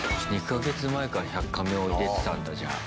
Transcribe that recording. ２か月前から「１００カメ」を入れてたんだ、じゃあ。